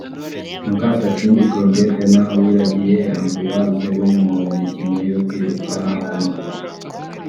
Mukasakindi Claudette na Uwiragiye Ambroise bo mu mikino yo kwiruka ku maguru